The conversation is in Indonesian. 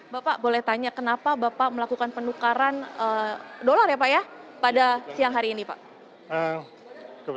bapak boleh tanya kenapa bapak melakukan penukaran dolar ya pak ya pada siang hari ini pak